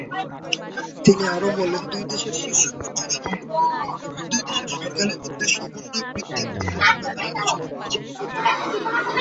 তিনি আরও বলেন, দুই দেশের শীর্ষ পর্যায়ের সম্পর্ক উন্নয়ন এবং দুই দেশের সরকারের মধ্যে সমন্বয় বৃদ্ধির পদ্ধতির ব্যাপারে আলোচনা হয়েছে।